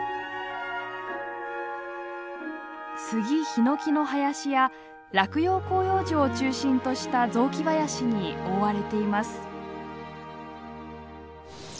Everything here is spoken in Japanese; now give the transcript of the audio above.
スギ・ヒノキの林や落葉広葉樹を中心とした雑木林に覆われています。